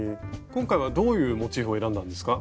今回はどういうモチーフを選んだんですか？